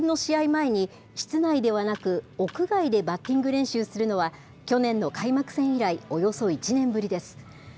前に、室内ではなく、屋外でバッティング練習するのは、去年の開幕戦以来およそ１年ぶりです。